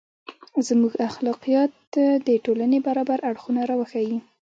• زموږ اخلاقیات د ټولنې برابر اړخونه راوښيي.